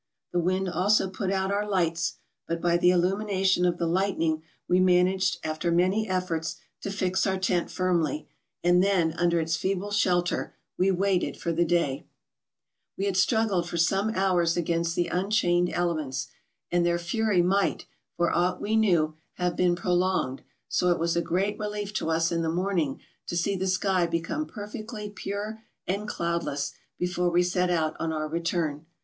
The wind also put out our lights; but by the illumination of the lightning we managed after many efforts to fix our tent firmly; and then under its feeble shelter we waited for the day ASCENT OF THE GUNUNG. 249 We had struggled for some hours against the unchained elements, and their fury might, for aught we knew, have been prolonged; so it was a great relief to us in the morning to see the sky become perfectly pure and cloudless before we set out on our return.